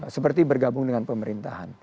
seperti bergabung dengan pemerintahan